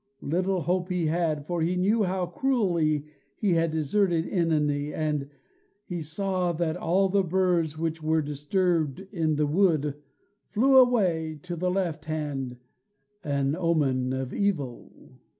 Little hope he had, for he knew how cruelly he had deserted OEnone, and he saw that all the birds which were disturbed in the wood flew away to the left hand, an omen of evil.